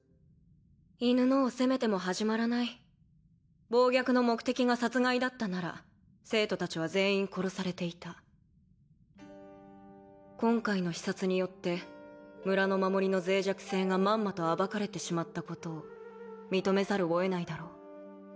犬のを責めても始まらない暴虐の目的が殺害だったなら生徒達は全員殺されていた今回の視察によって村の守りのぜい弱性がまんまと暴かれてしまったことを認めざるを得ないだろう